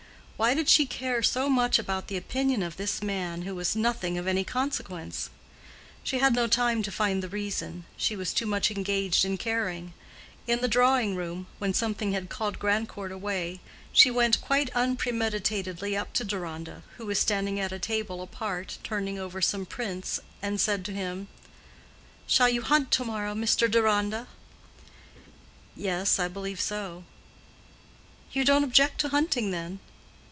Why did she care so much about the opinion of this man who was "nothing of any consequence"? She had no time to find the reason—she was too much engaged in caring. In the drawing room, when something had called Grandcourt away, she went quite unpremeditatedly up to Deronda, who was standing at a table apart, turning over some prints, and said to him, "Shall you hunt to morrow, Mr. Deronda?" "Yes, I believe so." "You don't object to hunting, then?"